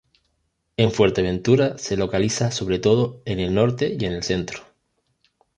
En Fuerteventura se localiza sobre todo en el norte y en el centro.